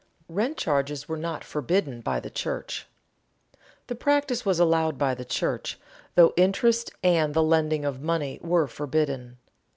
[Sidenote: Rent charges were not forbidden by the church] The practice was allowed by the church, though interest and the lending of money were forbidden.